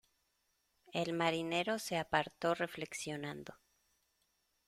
el marinero se apartó reflexionando.